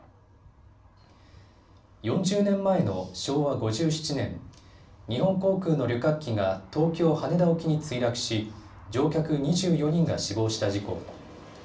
４０年前の昭和５７年、日本航空の旅客機が東京羽田沖に墜落し乗客２４人が死亡した事故。